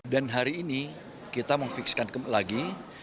dan hari ini kita mengfiksikan lagi